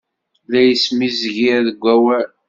La ismezgir deg wawal.